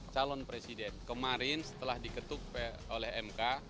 calon presiden kemarin setelah diketuk oleh mk